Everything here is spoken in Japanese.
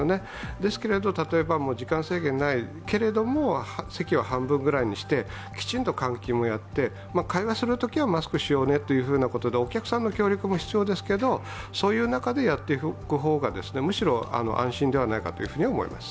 ですけれども、時間制限がないけれども、席は半分ぐらいにしてきちんと換気もやって、会話するときはマスクしようねということでお客さんの協力も必要ですけど、そういう中でやっていく方がむしろ安心ではないかと思います。